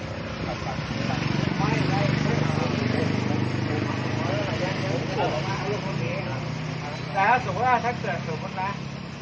แล้วสมมุติถ้าเจอสมบูรณ์แล้ว